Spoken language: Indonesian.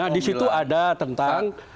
di situ ada tentang